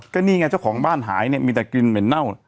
ก็นี่ไงเจ้าของบ้านหายเนี่ยมีแต่กลิ่นเหม็นเน่า